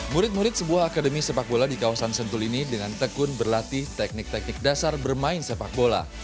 murid murid sebuah akademi sepak bola di kawasan sentul ini dengan tekun berlatih teknik teknik dasar bermain sepak bola